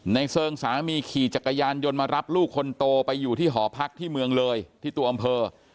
เซิงสามีขี่จักรยานยนต์มารับลูกคนโตไปอยู่ที่หอพักที่เมืองเลยที่ตัวอำเภอ